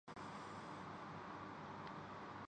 بازیچۂ اطفال ہے دنیا مرے آگے